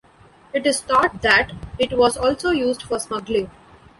It is thought that it was also used for smuggling.